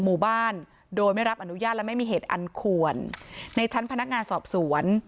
หมู่บ้านโดยไม่รับอนุญาตและไม่มีเหตุอันควรในชั้นพนักงานสอบสวน